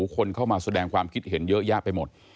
คนเข้ามาแสดงความคิดเห็นเยอะแยะไปหมด